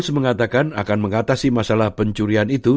coals mengatakan akan mengatasi masalah pencurian